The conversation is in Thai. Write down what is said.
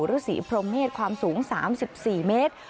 พ่อปู่รุศีโพรเมศความสูง๓๔เมตร